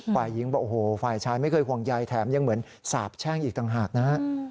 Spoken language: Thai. ฝ่ายหญิงบอกโอ้โหฝ่ายชายไม่เคยห่วงใยแถมยังเหมือนสาบแช่งอีกต่างหากนะฮะ